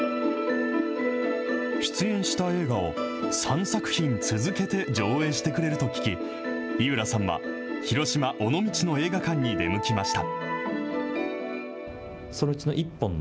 出演した映画を３作品続けて上映してくれると聞き、井浦さんは、広島・尾道の映画館に出向きました。